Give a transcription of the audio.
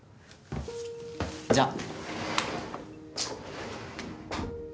じゃあ。